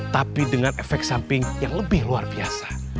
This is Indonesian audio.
tapi dengan efek samping yang lebih luar biasa